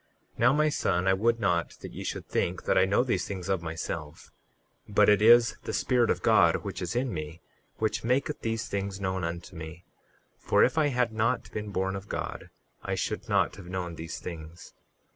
38:6 Now, my son, I would not that ye should think that I know these things of myself, but it is the Spirit of God which is in me which maketh these things known unto me; for if I had not been born of God I should not have known these things.